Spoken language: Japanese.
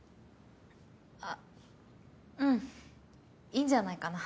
あうんいいんじゃないかな。